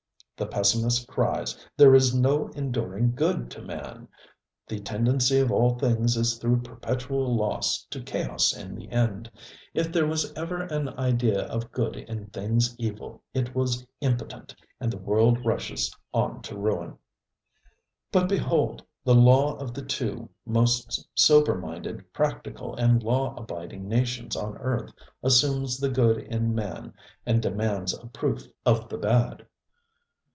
The pessimist cries, ŌĆ£There is no enduring good in man! The tendency of all things is through perpetual loss to chaos in the end. If there was ever an idea of good in things evil, it was impotent, and the world rushes on to ruin. ŌĆØ But behold, the law of the two most sober minded, practical and law abiding nations on earth assumes the good in man and demands a proof of the bad.